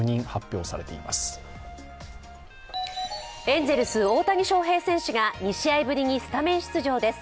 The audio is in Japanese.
エンゼルス・大谷翔平選手が２試合ぶりにスタメン出場です。